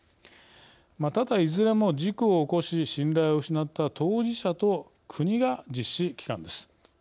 ただいずれも事故を起こし信頼を失った当事者と国が実施機関です。